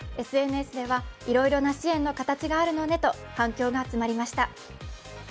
ＳＮＳでは、いろいろな支援の形があるのねと、反響が集まりました。